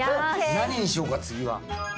何にしようか次は。